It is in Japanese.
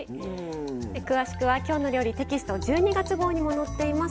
詳しくは「きょうの料理」テキスト１２月号にも載っています。